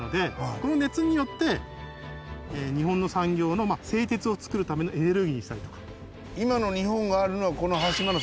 日本の産業の製鉄をつくるためのエネルギーにしたりとか。